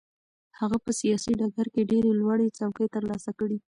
هغه په سیاسي ډګر کې ډېرې لوړې څوکې ترلاسه کړې.